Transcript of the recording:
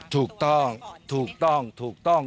ถูกต้องถูกต้องถูกต้อง